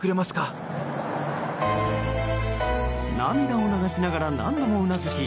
涙を流しながら何度もうなずき